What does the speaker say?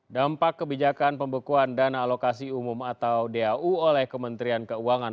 dampak kebijakan pembekuan dana alokasi umum atau dau oleh kementerian keuangan